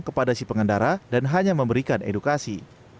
kepada si pengendara dan hanya memberikan edukasi